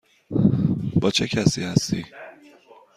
با چه کسی هستی؟